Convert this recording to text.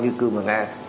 như cư mừng a